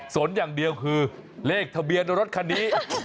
สนอย่างเดียวคือเลขทะเบียนรถคันนี้